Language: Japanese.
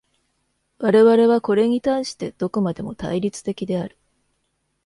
我々はこれに対してどこまでも対立的である。